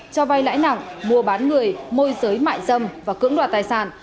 cho vay lãi nặng mua bán người môi giới mại dâm và cưỡng đoạt tài sản